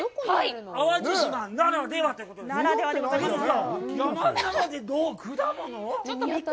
淡路島ならではということですね。